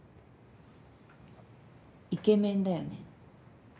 イケメンだよね。